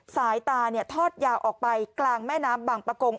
สายตาทอดยาวออกไปกลางแม่น้ำบางประกง